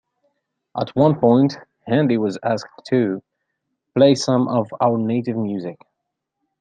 At one point Handy was asked to "play some of our native music".